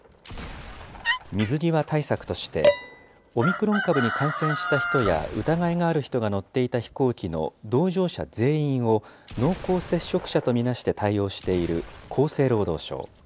水際対策として、オミクロン株に感染した人や疑いがある人が乗っていた飛行機の同乗者全員を濃厚接触者と見なして対応している厚生労働省。